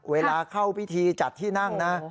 เวลาเข้าพิธีจัดที่นั่งนะ